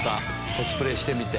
コスプレしてみて。